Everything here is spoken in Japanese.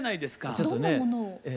ちょっとねええ。